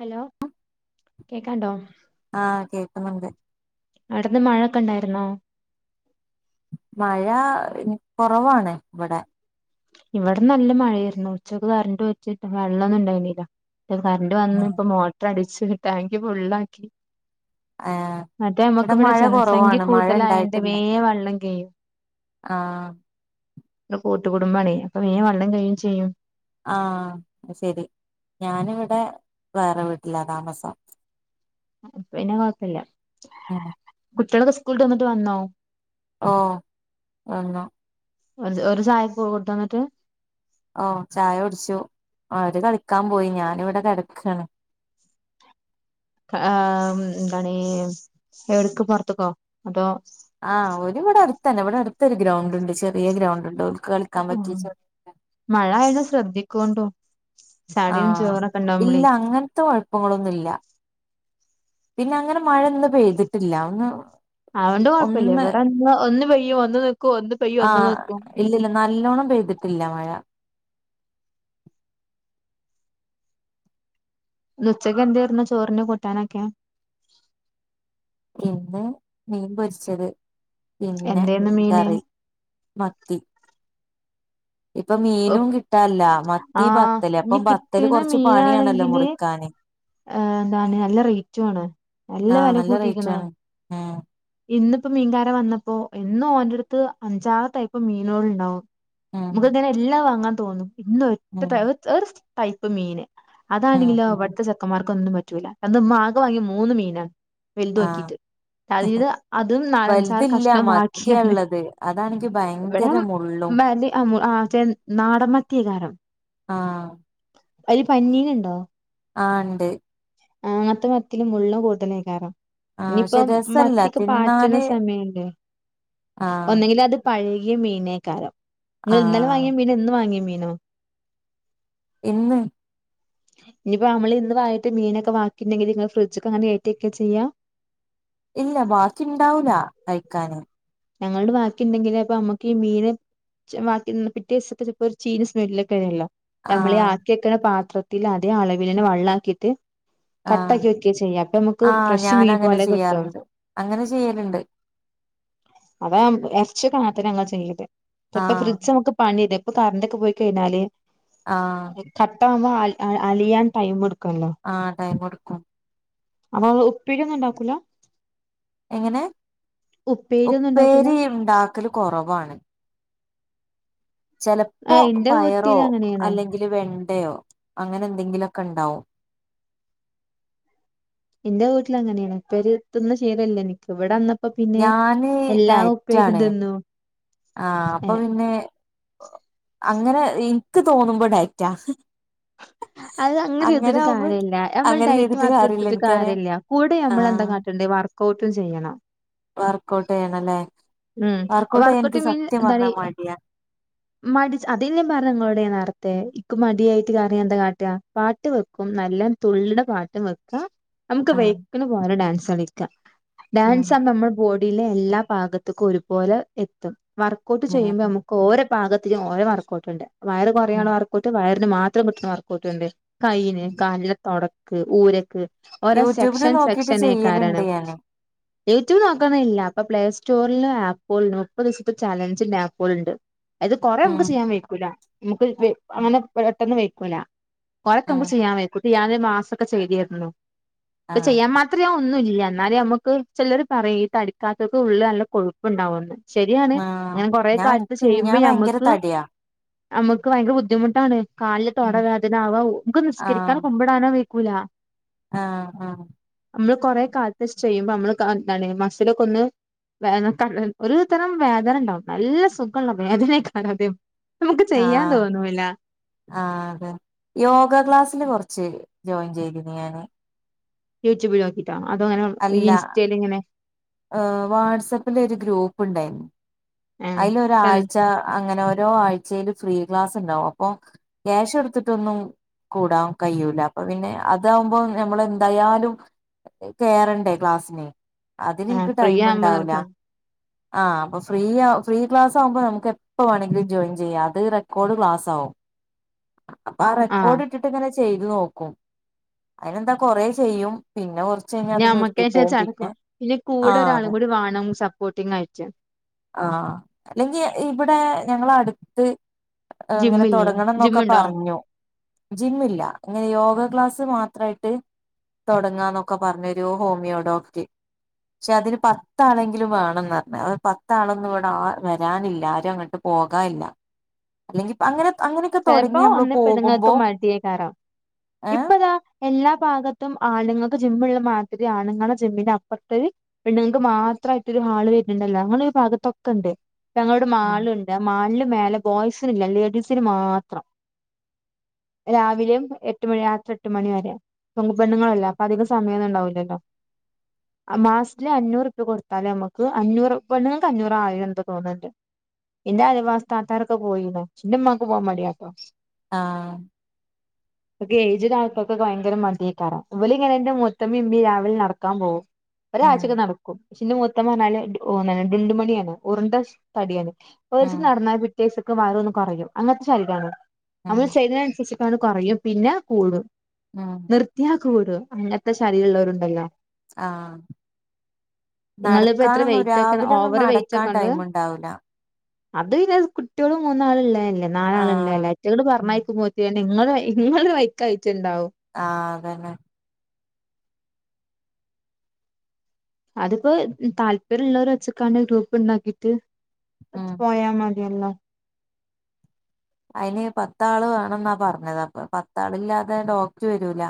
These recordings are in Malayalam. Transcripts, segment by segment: ഹലോ കേക്കാണ്ടോ ആഹ് കേക്കുന്നുണ്ട് അവിടെന്ന് മഴൊക്കെ ഇണ്ടായിരുന്നോ മഴ കൊറവാണ് ഇവടെ ഇവടെ നല്ല മഴയായിരുന്നു ഉച്ചക്ക് കറണ്ട് പോയിട്ട് വെള്ളൊന്നും ഇണ്ടായിരുന്നില്ല കറണ്ട് വന്ന് ഇപ്പൊ മോട്ടർ അടിച്ച് ടാങ്കി ഫുള്ളാക്കി ഏഹ് മറ്റേ ഇവിടെ നമ്മുക്കീവിടെ മഴ ജനസംഖ്യ കുറവാണ് മഴ കൂടുതലായോണ്ട് ഉണ്ടായിട്ടില്ല വേം വെള്ളം കഴിയും ആഹ് ഇവടെ കൂട്ടുകുടുംബാണേ അപ്പം വേം വള്ളം കഴിയും ചെയ്യും ആഹ് അയ് ശെരി ഞാനിവിടെ വേറെ വീട്ടിലാ താമസം അപ്പ പിന്നെ കൊഴപ്പല്ല ഉം കുട്ടികളൊക്കെ സ്കൂള് വിട്ട് വന്നിട്ട് വന്നോ ഓഹ് വന്നു ഓര് ഓര് ചായൊക്കെ കൊടുത്തോ ഇന്നട്ട് ഓഹ് ചായ കുടിച്ചു അവര് കളിക്കാപോയി ഞാനിവടെ കെടക്കാണ് ആഹ് എന്താണ് എവ്ട്ക്ക് പൊർത്ത്ക്കോ അതോ ആഹ് ഓല് ഇവടെ അട്ത്തന്നെ ഇവടെ അടുത്തൊരു ഗ്രൗണ്ട് ഇണ്ട് ചെ ആഹ് ആഹ് മഴാ ആയത് ശ്രദ്ധിക്കോണ്ടു ചളിയും ആഹ് ചോറൊക്കെ ഉണ്ടാവുമ്പളേ ഇല്ല അങ്ങൻത്തെ കൊഴ കൊഴപ്പങ്ങളൊന്നുല്ല പിന്നെ അങ്ങനെ മഴ ഇന്ന് പെയ്തിട്ടില്ല ഒന്ന് അഓണ്ട് കൊഴപ്പല്ല ഒന്ന് ഇവടെ ഒന്ന് പെയ്യും ഒന്ന് നീക്കും ഒന്ന് പെയ്യും ഒന്ന് ആഹ് നിക്കും ഇല്ല ഇല്ല നല്ലോണം പെയ്തിട്ടില്ല മഴ ഇന്ന് ഉച്ചയ്ക്ക് എന്തേരുന്നു ചോറിന് കൂട്ടാനൊക്കെ ഇന്ന് മീൻ പൊരിച്ചത് പിന്നെ എന്തേന്നു മീന് കറി മത്തി ഇപ്പം മീനും കിട്ടാനില്ല മത്തി ആഹ് ബത്തല് ഇനി അപ്പം ബത്തല് കിട്ടണ കൊറച്ച് പണിയാണല്ലോ മുറിക്കാന് ഏ എന്താണ് നല്ല റൈറ്റും ആണ് നല്ല ആഹ് വെല റേറ്റ് കൂട്ടീക്ക്ണ് ആണ് ഉം ഇന്ന്പ്പോ മീൻകാരൻ വന്നപ്പോ എന്നും ഓൻ്റട്ത്ത് അഞ്ചാറ് ടൈപ്പ് മീനോള്ണ്ടാവും ഉം നമുക്ക്ങ്ങനെ എല്ലാം വാങ്ങാൻ തോന്നും ഇന്ന് ഉം ഒറ്റ ഒ ഒരു ടൈപ്പ് മീന് ഉം അതാണെങ്കിലോ ഉം ഇവട്ത്തെ ചെക്കന്മാർക്കൊന്നും പറ്റൂല്ല ഇപ്പ ഇന്ന് ഉമ്മആകെ വാങ്ങിയത് മൂന്ന് മീനാ വെൽത് ആഹ് നോക്കീട്ട് അതീന്ന് അതും നാലഞ്ചാറ് വലുതില്ല കഷ്ണം മത്തിയാ വാക്കിയാണ് ഇള്ളത് അതാണെങ്കി ഇവടെ ഭയങ്കര മുള്ളും ഉമ്മ [unintelligible] ആഹ് [unintelligible] നാടൻ മത്തി യേക്കാരം ആഹ് അയില് പഞ്ഞീന് ഇണ്ടോ ആഹ് ഇണ്ട് അങ്ങൻത്തെ മത്തില് മുള്ളും കൂടുതലേയ്ക്കാരം ആഹ് പഷേ രസല്ലേ ഇപ്പ പാറ്റ്ണ സമയല്ലെ ആഹ് ഒന്നെങ്കി ല് അത് പഴകിയ മീനേയ്ക്കാരം ഇങ്ങള് ഇന്നലെ ആഹ് വാങ്ങിയ മീനോ ഇന്ന് വാങ്ങിയ മീനോ ഇന്ന് ഇഞ്ഞിപ്പോ ഞ്ഞമ്മള് ഇന്ന് വാങ്ങിട്ട് മീനൊക്കെ വാക്കിയിണ്ടെങ്കില് ഇങ്ങള് ഫ്രിഡ്ജ്ക്കങ്ങനെ കേറ്റി വെക്കാ ചെയ്യാ ഇല്ല ബാക്കിയുണ്ടാവൂല കഴിക്കാന് ഞങ്ങൾടെ ബാക്കിയിണ്ടങ്കിലെ അപ്പ ഞ്ഞമ്മക്കീ മീന് ച്ചെ ബാക്കിയിണ്ട പിറ്റേസത്തെ ചെലപ്പൊര് ചീഞ്ഞ സ്മെല്ലൊക്കെ വരൊല്ലോ ഞ്ഞമ്മളീ ആഹ് ആക്കി വെക്ക്ണ പാത്രത്തില് അതേ അളവിലെ ന്നെ വള്ളാക്കിയിട്ട് ആഹ് കട്ടാക്കി വെക്കാ ചെയ്യാ അപ്പൊ നമ്മക്ക് ആഹ് ഫ്രഷ് മീൻ ഞാനങ്ങനെ പോലെ കിട്ടും ചെയ്യാറുണ്ട് അങ്ങനെ ചെയ്യല്ണ്ട് അതാ എർച്ചിയൊക്കെ അങ്ങൻ തന്നെ ഞ്ഞങ്ങള് ചെയ്യല് ഇപ്പ ഇപ്പൊ ആഹ് ഫ്രിഡ്ജ് നമുക്ക് പണി ഇത് ഇപ്പൊ കറണ്ടൊക്കെ പോയി കഴിഞ്ഞാല് ആഹ് കട്ട ആവുമ്പോ അലി അ അലിയാൻ ടൈം ഇട്ക്കൊല്ലോ ആഹ് ടൈം ഇട്ക്കും അപ്പൊ ഇങ്ങള് ഉപ്പേരി ഒന്നും ഉണ്ടാക്കൂല എങ്ങനെ ഉപ്പേരി ഒന്നും ഉണ്ടാക്കൂല ഉപ്പേരി ഉണ്ടാക്കല് കൊറവാണ് ആ ചെലപ്പോ എന്റെ വീട്ടിൽ പയറോ അങ്ങനെയാണ് അല്ലെങ്കില് വെണ്ടയോ അങ്ങനെ എന്തെങ്കിലൊക്കെ ഉണ്ടാവും ഇന്റെ വീട്ടില് അങ്ങനേണ് ഉപ്പേരി തിന്ന് ശീലം ഇല്ല എനിക്ക് ഇവിടെ വന്നപ്പ പിന്നെ ഞാന് എല്ലാ ഉപ്പേരിം ഡയറ്റാണ് തിന്നും ആഹ് അപ്പ പിന്നെ അങ്ങനെ എനിക്ക് തോന്നുമ്പോ ഡയറ്റാ [unintelligible] അത് അങ്ങനെ ചെയ്തിട്ട് ഒരു കാര്യമില്ല നമ്മൾ അങ്ങനെ ഡയറ്റ് ചെയ്തിട്ട് മാത്രം കാര്യല്ല ഇടുത്തിട്ട് എനിക്കറിയാം കാര്യമില്ല കൂടെ നമ്മള് എന്താ കാട്ടണ്ടി വർ കോട്ടും ചെയ്യണം വർക്ക്ഔട്ട് ചെയ്യണല്ലേ ഉം വർക്കഔട്ട് ചെയ്യാൻ വർക്കൗട്ട് എനിക്ക് മിൻ സത്യം എന്താണ് പറഞ്ഞാ മടിയാ മടിച്ച് അതല്ലേ പറഞ്ഞ് ഇങ്ങളോട് ഞ്ഞാൻ നേറത്തെ ഇക്ക് മടിയായിട്ട് ഇക്കറിയ എന്താ എന്താ കാട്ടാ പാട്ട് വെക്കും നല്ലം തുള്ള്ണ പാട്ടും വെക്കാ നമുക്ക് ആഹ് വയ്ക്ക്ണ പോലെ ഡാൻസ് കളിക്കാ ഡാൻസ്ന്ന് ആഹ് പറഞ്ഞാ നമ്മളെ ബോഡിയിലെ എല്ലാ ഭാഗ ക്ക ഒരുപോലെ എത്തും വർക്ക ഔട്ട് ചെയ്യുമ്പോ ആഹ് നമുക്ക് ഓരോ ഭാഗത്തും ഓരോ വർക്കഔട്ടുണ്ട് വയർ ഉം കുറയാനുള്ള വർക്ക്‌ ഔട്ട്‌ വയറിനു മാത്രം കിട്ടുന്ന വർക് ഔട്ട്‌ ഉണ്ട്‌,, കയ്യിന്നു കാലിന്! തുടയ്ക്ക് ഊരക്ക് ഓരോ യൂട്യൂബില് സെക്ഷൻ നോക്കിട്ട് സെക്ഷൻ ആയിക്കാരൻ ചെയ്യലുണ്ട് ഞാന് യൂട്യൂബ് നോക്കണില്ല അപ്പ പ്ലേസ് സ്റ്റോറില് ആപ്പൾ ഉണ്ട് മുപ്പത് ദിവസത്തെ ചലഞ്ചിന്റെ ആപ്പുകൾ ഉണ്ട് അത് കൊറെ നമുക്ക് ഉം ചെയ്യാൻ പഴക്കൂല നമുക്ക് അങ്ങനെ പെട്ടെന്ന് വെക്കൂല കൊറക്ക ഉം നമുക്ക് ചെയ്യാൻ വ കുട്ടി ഞാനൊരു മാസംക്കെ ചെയ്തിരുന്നു ഒക്കെ ആഹ് ചെയ്യാൻ മാത്ര അത്രയാ ഒന്നുമല്ല എന്നാലേ നമ്മുക്ക് ചിലർ പറയും ഈ തടിക്കാത്തവക്കക്ക് ഉള് നല്ല കൊഴുപ്പുണ്ടാവന്ന് ശരിയാണ് ആഹ് ഞാൻ കൊറെ കാലത്ത് എനിക്ക് ഞാൻ ചെയ്യുമ്പോ ഭയങ്കര ഞമ്മുക്ക് തടിയാ നമുക്ക് ഭയങ്കര ബുദ്ധിമുട്ടാണ് കാലില് തൊട വേദന ആവാ നമുക്ക് നിസ്കരിക്കാൻ ആഹ് കുമ്പിട ടാനോ വെയ്ക്കൂല്ല ആഹ് ആഹ് നമ്മള് കൊറെ കാലത്ത് ചെയ്യുമ്പോൾ നമ്മള് എന്താണ് മസലൊക്കെ ഒന്ന് വേ ക ഒരു തരം വേദന ഉണ്ടാവും നല്ല സുഖമുള്ള വേദനയക്കാലാതം നമുക്ക് ചെയ്യാൻ തോന്നൂല ആ അതെ യോഗ ക്ലാസ്സില് കുറച്ച് ജോയിൻ ചെയ്തിരുന്നു ഞാന് യൂട്യൂബിൽ നോക്കിയിട്ടൊ അത അങ്ങനെ ഇൻസ്റ്റയിൽ ഇങ്ങനെ ആ വാട്സആപ്പില ഒരു ഗ്രൂപ്പു ണ്ടായിരുന്നു ആഹ് അതിലൊരാഴ്ച അങ്ങനെ ഓരോ ആഴ്ചേൽ ഫ്രീ ക്ലാസ് ഉണ്ടാാവും അപ്പൊ ക്യാഷ് കൊടുത്തിട്ടൊന്നും കൂടാൻ കഴിയൂല അപ്പൊ പിന്നെ അതാകുമ്പോൾ നമ്മളെന്തായാലും കേറണ്ടേ ക്ലാസ്സിന് അതിന് ആഹ് എനിക്ക് ഫ്രീ ആവുമ്പോ ടൈമുണ്ടാവൂല നിർബന്ധം ആ അപ്പൊ ഫ്രീ ആ ഫ്രീ ക്ലാസ് ആകുമ്പോ നമുക്ക് എ എപ്പോ വേണമെങ്കിലും ജോയിൻ ചെയ്യാം അത് റെക്കോർഡ് ക്ലാസ്സാവും അപ്പൊ ആ ആഹ് റെക്കോർഡ് ഇട്ട് ഇങ്ങനെ ചെയ്ത് നോക്കും അതിനെന്താ കൊറെ ചെയ്യും പിന്നെ കുറ ഞമ്മക്കേച്ച ചടക്കും പിന്നെ കൂടെ ആഹ് ഒരാൾ അതെ കൂടി വേണം സപ്പോർട്ടിങ് ആയിട്ട് ആ അല്ലെങ്കിൽ ഇവിടെ ഞങ്ങള അടുത്ത് അങ്ങനെ ജിമ്മില്ലേ തൊടങ്ങണം എന്നൊക്കെ ജിമ്മുണ്ടോ പറഞ്ഞു ജിമ്മില്ല എങ്ങനെ യോഗ ക്ലാസ് മാത്രമായിട്ട് തുടങ്ങാന്നൊക്കെ പറഞ്ഞൊരു ഹോമിയോഡോക്റ്റ് പക്ഷെ അതിന് പത്താളെങ്കിലും വേണംന്ന് പറഞ്ഞ് അത് പത്ത പത്താളൊന്നും ഇവിടെ വരാനില്ല ആരും അങ്ങോട്ട് പോകാനില്ല അല്ലെങ്കി അങ്ങനെ അങ്ങനെയൊക്കെ തുടങ്ങി ചിലപ്പോ നമ്മള് ഒന്ന് പോകുമ്പോ പെണ്ണുങ്ങൾക്ക് മടിയേക്കാരം ഏഹ് ഇപ്പതാ എല്ലാ ഭാഗത്തും ആണ്ങ്ങൾക്ക് ജിമ്മുള്ള മാതിരി ആണുങ്ങളെ ജിമ്മിന്റെ അപ്പുറത്ത് പെണ്ണുങ്ങക്ക് മാത്രമായിട്ട് ഒരു ഹാള് വരുന്നുണ്ടല്ലോ ഞങ്ങളെ ഈ ഭാഗത്തൊക്കെ ഉണ്ട് ഞങ്ങളുടെ മാളുണ്ട് മാളിന് മേലെ ബോയ്സിനില്ല ലേഡീസിന് മാത്രം രാവിലെയും എട്ട് മണി രാത്രി എട്ട് മണി വരെ പെ പെണ്ണ്ങ്ങളല്ലേ അപ്പൊ അധികം സമയമൊന്നും ഉണ്ടാവൂലല്ലോ മാസത്തില് അഞ്ഞൂറ് രൂപകൊടുത്താല് നമുക്ക് അഞ്ഞൂറ് പെണ്ണ്ങ്ങക്ക് അഞ്ഞൂറാ ആയിരാ എന്താ തോന്ന്ന്നുണ്ട് ഇൻ്റേ അയൽവാസിതാത്താരൊക്കെ പോയീന് ഇൻ്റേമ്മാക്ക് പോവാൻ മടിയാട്ടോ ആഹ് ഏജ്ഡ് ആൾക്കൊക്കെ ഭയങ്കര മടിയിട്ടാണ് ഇവല് ഇങ്ങനെ എന്റെ മൂത്തമ്മിം ഇമ്മിം രാവിലെ നടക്കാൻ പോകും ഉം ഒരാഴ്ചൊക്കെ നടക്കും പക്ഷെന്റെ മൂത്തമ്മ പറഞ്ഞാല് ഡുണ്ടുമണിയാണ് ഉറുണ്ട തടിയാണ് ഒരീസം ഉം നടന്നാ പിറ്റേ സ്ക്ക് ഭാരൊന്ന് കൊറയും. അങ്ങത്തെ ശരീരാണ് നമ്മൾ ഉം ചെയ്തേനന്സരിച്ച് അപ്പാണ് കൊറയും പിന്നെ കൂടും. ആഹ് നിർത്തിയാ കൂടും അങ്ങൻത്തെ ശരീരള്ളോരും ണ്ടല്ലോ. ആഹ് നിങ്ങളിപ്പോ എത്ര നടക്കാനൊന്നും വെയിറ്റ് ഒക്കെ രാവിലെ ഒന്നും ഓവർ വെയിറ്റ് നടക്കാൻ ഒക്കെ ഉണ്ട് ടൈമ് ണ്ടാവൂല്ല. അത് പിന്നെ കുട്ട്യോള് മൂന്നാള് ഇള്ളെ അല്ലേ നാലാള് ഇള്ളെ ആഹ് അല്ലേ. അയ്റ്റേള് ഉം പർഞ്ഞയ്ക്കുമ്പോ ത്ത്യേനെ ഇങ്ങള് ഇങ്ങള് വയിക്കായിറ്റ്ണ്ടാവും. ആഹ് അതന്നെ. അതിപ്പോ താല്പര്യള്ളോരെ വെച്ച്ക്കാണ്ട് ഗ്രൂപ്പ് ണ്ടാക്കി ട്ട്, ന്നട്ട് ഉം പോയാ മത്യല്ലോ. അയിന് പത്താള് വേണംന്നാ പറഞ്ഞത് അപ്പൊ പത്താള്ല്ലാതെ ഡോക്റ്റ് വരൂല.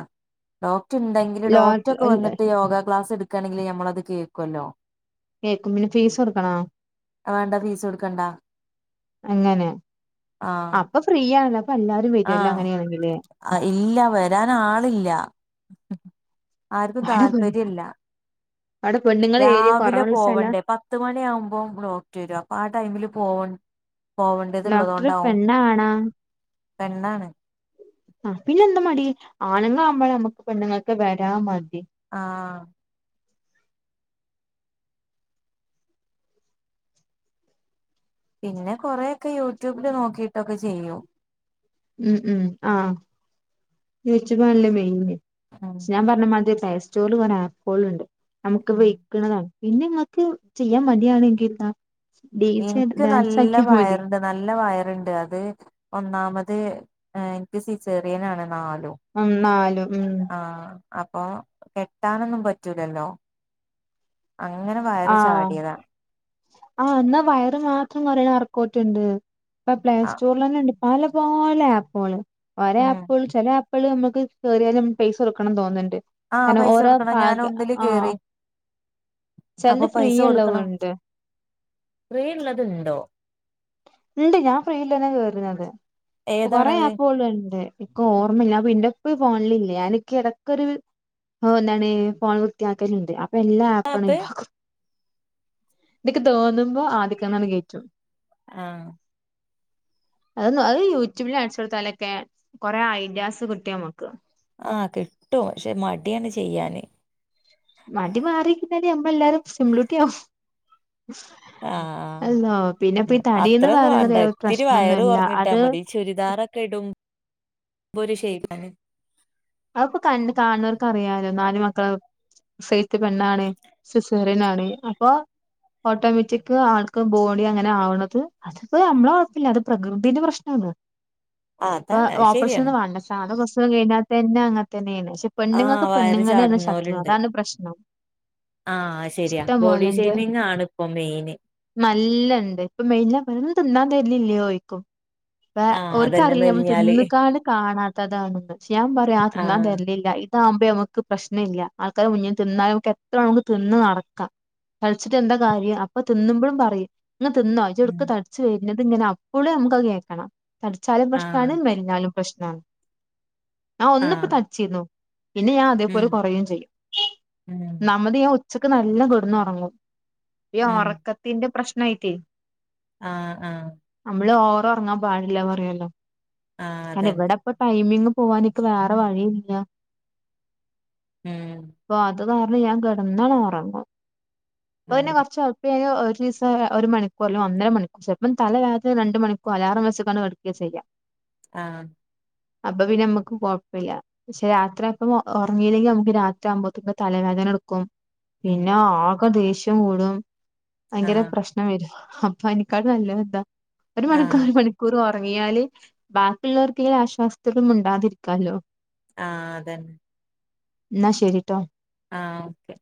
ഡോക്റ്റ് ഇണ്ടെങ്കില് ഡോക്റ്റ് ഒക്കെ ലോട്ടറി വന്നിട്ട് യോഗ ക്ലാസ് ഇട്ക്കാണെങ്കിൽ ഞമ്മളത് കേക്കൊല്ലോ. കേക്കും പിന്നെ ഫീസ് ഉം കൊടുക്കണോ കവാണ്ട ഫീസ് കൊട്ക്കണ്ടാ. അങ്ങനെ ആഹ് അപ്പ ഫ്രീ ആണല്ലോ അപ്പെല്ലാരും വര്വല്ലോ ആഹ് അങ്ങനേണെങ്കില്. ഇല്ല വരാൻ ആളില്ല ആർക്കും അവിടെ പെ താല്പര്യല്ല. അവിടെ പെണ്ണുങ്ങളെ ഏരിയ രാവിലെ കുറവുള്ള സ്ഥല പോവണ്ടേ പത്ത് മണി ആവുമ്പം ഡോക്റ്റ് വരും. അപ്പൊ ആ ടൈമില് പോവ പോവണ്ട്യത് ഡോക്ടർ ഉള്ളതോണ്ടാവും. പെണ്ണാണാ പെണ്ണാണ്. ആഹ് പിന്നെന്താ മടി, ആണുങ്ങളാവുമ്പം നമ്മക്ക് പെണ്ണുങ്ങക്ക് വരാൻ മടി. ആഹ് പിന്നെ കൊറേ ക്കെ യൂട്യൂബില് നോക്കിയിട്ടൊക്കെ ചെയ്യൂം. ഉം ഉം ആഹ് യൂടൂബാണല്ലോ മെയ്ന്. ആഹ് ഞാൻ പറഞ്ഞ മാതിരി പേസ്റ്റോറില് കൊറേ ആപ്പേള്ണ്ട് നമുക്ക് ഉം വെയ്ക്ക്ണതാണ്. പിന്നെങ്ങക്ക് ചെയ്യാൻ മടിയാണെങ്കി എത്താ ഡീജേ എനിക്ക് ഡാൻസ് നല്ല ആക്കിയാ മതി. വയറുണ്ട് നല്ല വയറുണ്ട് അത് ഒന്നാമത് ഏഹ് ഇൻക്ക് സിസേറിയനാണ് നാലും. ഉം നാലും ഉം. ആഹ് അപ്പൊ കെട്ടാനൊന്നും പറ്റൂലല്ലോ. അങ്ങനെ വയറ് ആഹ് ചാടിയതാ. ആഹ് ഇന്നാ വയറ് മാത്രം കൊറയ്ണ വർക്കൗറ്റ് ണ്ട്. ഇപ്പം ആഹ് പ്ലേസ്റ്റോറ്ല് തന്നെണ്ട്. പല പാല ആപ്പാള് ഒരാ ഉം ആപ്പാള് ചെല ആപ് പേള് നമ്മക്ക് കേറ്യാല് ഞമ് പൈസ കൊടുക്കണംന്ന് തോന്ന്ണ്ട്. ആഹ് കാരണം പൈസ ഓരോ കൊടുക്കണം ഞാൻ ഭാഗ ഒന്നില് ആഹ് കേറി അപ്പൊ ചെലത് പൈസ കൊടുക്കണം ഫ്രീയ്ള്ളവുണ്ട്. ഫ്രീ ഇള്ളത്ണ്ടോ? ഇണ്ട് ഞാൻ ഫ്രീ ഇള്ളെനാ കേറ്ണത്. കൊറെ ഏതാണത് ആപ്പുകള് ഇണ്ട്. ഇക്ക് ഓർമ്മല്ല. പിന്നെ പ്പ് ഫോണിലില്ല. ഞാന് ഇക്കെടക്കൊര് ഹോ എന്താണ് ഫോൺ വൃത്തിയാക്കല്ണ്ട്. അ പ്പെല്ലാ ആപ്പു ആണ് ആപ്പ് ഒയിവാക്കും. ന്ന്ക്ക് തോന്നുമ്പോ ആദ്യക്കെന്നാണ്ട് കേറ്റും. ആഹ് അതൊന്ന് അത് യൂട്യൂബില് അടിച്ചൊടുത്താലൊക്കെ കൊറെ ഐഡിയാസ് കിട്ടു ഞമ്മക്ക്. ആഹ് കിട്ടും പക്ഷെ മട്യാണ് ചെയ്യാന്. മടി മാറി കിട്ട്യാല് നമ്മളെല്ലാരും സിം ബ്ലൂട്ടിയാവും. ആഹ് അള്ളോഹ് പിന്നെപ്പ ഈ തടീന്ന് അത്രൊന്നും വേണ്ട പറയണതേ ഒര് ഇത്തിരി വയറ് പ്രശ്നൊന്നല്ല. കുറഞ്ഞിട്ടാ അത്, മതി ചുരിദാറൊക്കെ ഇടും മ്പൊരു ഷെയ്പ്പിന് അത്പ്പോ കണ്ണ് കാണുന്നോർക്ക് അറിയാലോ നാല് മക്കളെ സെയ്‌ത്ത് പെണ്ണാണ് സിസേ റിയനാണ് അപ്പൊ ഓട്ടോമാറ്റിക് ആൾക്ക് ബോഡി അങ്ങനെ ആവ്ണത് അതിപ്പോ നമ്മളെ കൊഴപ്പില്ല അത് പ്രകൃതിന്റെ പ്രശ്നാണ് ആഹ് ഇപ്പൊ അതാണ് അത് ശരിയാണ് ഓപ്രഷനൊന്നും വേണ്ടാച്ചു ട്ടാകെ പ്രസവം കെഴ്ഞ്ഞാ തന്നെ അങ്ങത്തെന്നേണ് പക്ഷെ ആഹ് പെണ്ണ്ങ്ങക്ക് വയറ് പെണ്ണ്ങ്ങള് തന്നെ ശത്രു ആണ് ചാടുന്നോലുണ്ട് അതാണ് പ്രശ്നം ആഹ് അഹ് ശര്യാ ഇഷ്ടം ബോഡി പോലെണ്ട് ഷെ്മിങ് ആണ് ഇപ്പൊ മെയ്ന് നല്ലണ്ട് ഇപ്പൊ മെലിഞ്ഞാ പെരീന്നൊന്നും തിന്നാൻ തെര്ലില്ലേ ചോയ്ക്കും പ്പ ആഹ് അതന്നെ ഓര്ക്കറിയാം നമ്മള് മെലിഞ്ഞാല് തിന്ന്ക്കാണ്ട് കാണാത്തതാണ്ന്ന് ഞാൻ പറയും ആഹ് തിന്നാൻ തെര്ല്ലില്ല ഇതാവുമ്പോ ഞമ്മക്ക് പ്രശ്ന ഇല്ല ആൾക്കാരെ മുന്ന്ന്ന് തിന്നാനൊക്കെ ത്ത് നമുക്ക് തിന്ന് നടക്കാ തടിച്ചിട്ട് എന്താ കാര്യം അപ്പൊ തിന്നുമ്പളും പറയും ഇങ്ങ് തിന്നോ ഇജ്ജ് ഉം. എവ്ട്ക്കാ തടിചച്ച് വെര്നത് ഇങ്ങനെ അപ്പളും ഞമ്മക്കത് കേക്കണം തടിച്ചാലും ആ. പ്രശ്നാണ് മെലിഞ്ഞാലും പ്രശ്നാണ് ഞാൻ ആ. ഒന്ന്പ്പൊ തടിച്ചീര്ന്നു പിന്നെ ഞാൻ അതേപോലെ ഉം. കൊറയും ചെയ്യും ഉം. ന്നാമ്മത് ഞാൻ ഉ ഉച്ചക്ക് നല്ലം കെട്ന്ന് ഒറങ്ങും ഈ ഉം. ഒറക്കത്തിന്റെ പ്രശ്നയ്റ്റേ ആഹ് ആഹ് അമ്മള് ഓവറ് ഒറങ്ങാൻ പാടില്ല പറയൊല്ലൊ ആ. കാരണം അതന്നെ. ഇവടെ ഇപ്പ ടൈമിങ്ങ് പോവാനിക്ക് വേറെ വഴില്ല ഉം. പ്പൊ അത് അത് കാരണം ഞാൻ കെട്ന്നാണ്ട് ഒറങ്ങും ഇപ്പൊ പിന്നെ ഉം. കൊർച്ച് ഫ്രീ ആയാ ഒരീസം ഒരു മണിക്കൂറ് അല്ലെങ്ങെ ഒന്നര മണിക്കൂ ചെൽപ്പം തല ചായ്ച്ച് രണ്ട് മണിക് അലാറം വെച്ച്കാണ്ട് കെട്ക്കെ ചെയ്യ ആഹ് അപ്പ പിന്നെ ഞമ്മക്ക് കൊഴപ്പില്ല പക്ഷെ രാത്രി അപ്പം ഒ ഒറങ്ങിയില്ലെങ്കി നമുക്ക് രാത്രി ആവ്മ്പോത്തേക്ക്‌ തലവേദന ഇട്ക്കും ഉം. പിന്നെ ആകെ ദേഷ്യം കൂടും ആ. ഭയങ്കര പ്രശ് നം വെരും അപ്പൊ അയ്നെക്കാട്ട്ലും നല്ലത് ഇതാ ഒരു ആ. മണിക്കൂ ഒരു മണി ക്കൂറ് ഒറങ്ങിയാല് ബാക്കി ഇള്ളവർക്കെങ്കിലും ആശ്വാസത്തില് മിണ്ടാതിരിക്കാല്ലോ ആഹ് അതെന്നെ ന്നാ ശരിട്ടോ ആഹ് ഓക്കെ